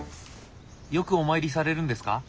よくお参りされるんですか？